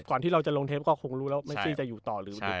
ก่อนที่เราจะลงเทปก็คงรู้แล้วว่าเมซี่จะอยู่ต่อหรือไป